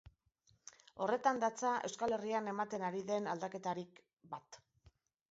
Horretan datza Euskal Herrian ematen ari den aldaketarik bat.